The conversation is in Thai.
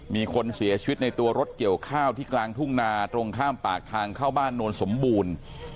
มีคนเสียชีวิตในตัวรถเกี่ยวข้าวที่กลางทุ่งนาตรงข้ามปากทางเข้าบ้านโนนสมบูรณ์